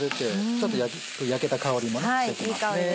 ちょっと焼けた香りもしてきますね。